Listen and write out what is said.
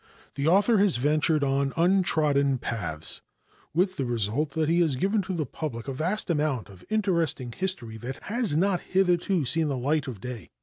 The author has ventured on untrodden paths, with the result that he has given to the public a vast amount of interesting history that has not hitherto seen the light of day.